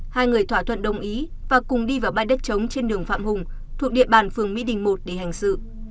hai người thỏa thuận đồng ý và cùng đi vào bãi đất trống trên đường phạm hùng thuộc địa bàn phường mỹ đình một để hành sự